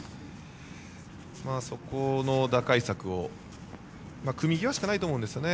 そこの打開策を組み際しかないと思うんですよね。